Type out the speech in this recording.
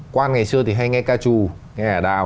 quan ngày xưa thì hay nghe ca trù nghe ả đào